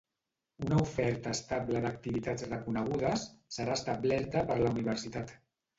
Una oferta estable d'activitats reconegudes serà establerta per la Universitat.